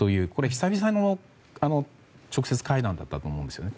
久々の直接会談だったと思うんですね。